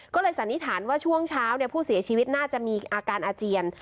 ก็เลยสันนิษฐานว่าช่วงเช้าผู้เสียชีวิตน่าจะมีอาการอาเจียน